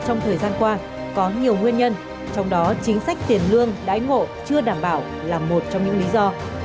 trong thời gian qua có nhiều nguyên nhân trong đó chính sách tiền lương đãi ngộ chưa đảm bảo là một trong những lý do